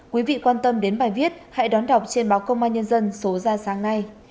quý vị quan tâm đến bài viết hãy đón đọc trên báo công an nhân dân số ra sáng nay